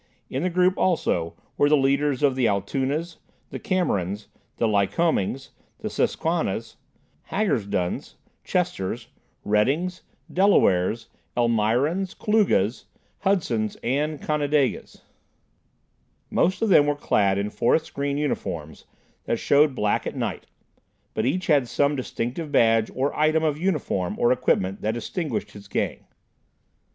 In the group also were the leaders of the Altoonas, the Camerons, the Lycomings, Susquannas, Harshbargs, Hagersduns, Chesters, Reddings, Delawares, Elmirans, Kiugas, Hudsons and Connedigas. Most of them were clad in forest green uniforms that showed black at night, but each had some distinctive badge or item of uniform or equipment that distinguished his Gang.